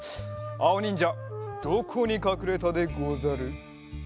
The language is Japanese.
あおにんじゃどこにかくれたでござる？